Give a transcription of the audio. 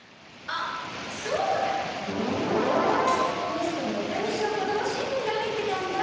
ポストにお試しのこども新聞が入ってたんだ。